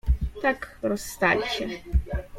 "Tak rozstali się."